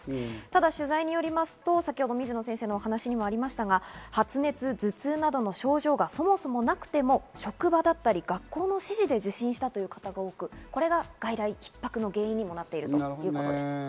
ただ取材によりますと、水野先生のお話にもありましたが、発熱、頭痛などの症状がそもそもなくても、職場だったり、学校の指示で受診したという方が多く、これが外来ひっ迫の原因にもなっているということです。